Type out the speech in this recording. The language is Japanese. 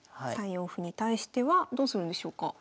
３四歩に対してはどうするんでしょうか？